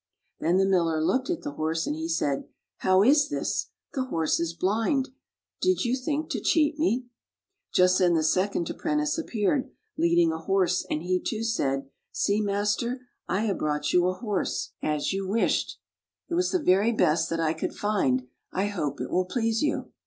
Then the Miller looked at the horse, and he said, " How is this? The horse is blind. Did you think to cheat me? " Just then the second apprentice ap peared, leading a horse, and he, too, said, " See, master, I have brought you a horse [ 95 ] FAVORITE FAIRY TALES RETOLD as you wished. It was the very best that I could find. I hope it will please you."